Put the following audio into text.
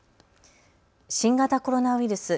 新型コロナウイルス。